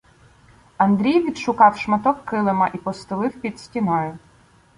Андрій відшукав шматок килима і постелив під стіною.